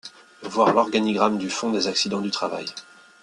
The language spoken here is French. Voir l’organigramme du Fonds des accidents du travail.